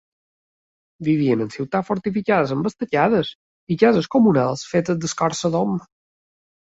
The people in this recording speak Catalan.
Vivien en ciutats fortificades amb estacades i cases comunals fetes d'escorça d'om.